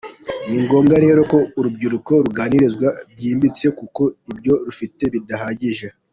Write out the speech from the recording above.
Ni ngombwa rero ko urubyiruko ruganirizwa byimbitse kuko ibyo rufite bidahagije.